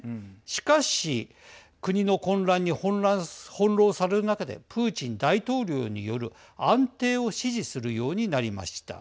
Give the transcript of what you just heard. しかし国の混乱に翻弄される中でプーチン大統領による安定を支持するようになりました。